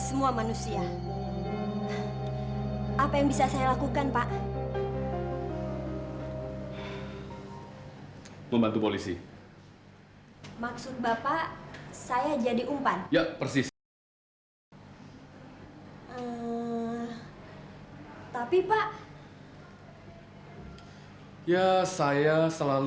pembunuh mengimades pembunuh ini orang magnusudra